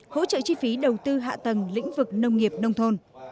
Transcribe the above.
hỗ trợ chi phí đầu tư hạ tầng lĩnh vực nông nghiệp nông thôn